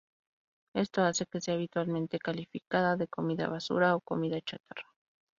Esto hace que sea habitualmente calificada de comida basura o comida chatarra.